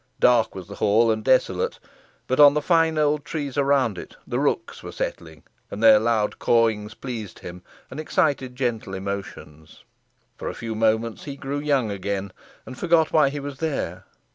Dark was the hall, and desolate, but on the fine old trees around it the rooks were settling, and their loud cawings pleased him, and excited gentle emotions. For a few moments he grew young again, and forgot why he was there.